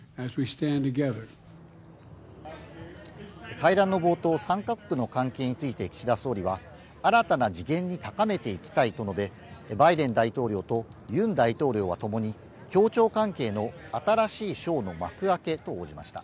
会談の冒頭、３か国の関係について岸田総理は、新たな次元に高めていきたいと述べ、バイデン大統領とユン大統領はともに、協調関係の新しい章の幕開けと応じました。